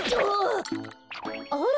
あら？